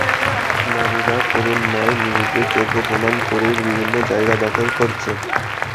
নারীরা করুণা নয়, নিজেদের যোগ্য প্রমাণ করেই বিভিন্ন জায়গা দখল করছে।